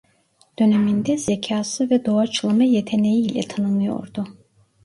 Döneminde zekası ve doğaçlama yeteneği ile tanınıyordu.